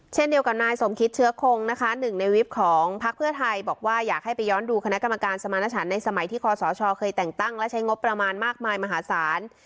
เช่นเดียวกับนายสมคิตเชื้อคงนะคะหนึ่งในวิปของพักเพื่อไทยบอกว่าอยากให้ไปย้อนดูคณะกรรมการสมาณฉันในสมัยที่คอสชเคยแต่งตั้งและใช้งบประมาณมากมายมหาศาล